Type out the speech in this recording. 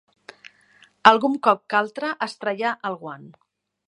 Algun cop que altre es treia el guant